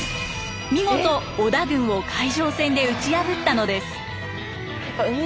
見事織田軍を海上戦で打ち破ったのです。